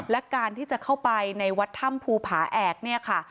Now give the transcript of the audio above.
และการที่จะเข้าไปในวัดถ้ำภูผาแอกเนี่ยค่ะ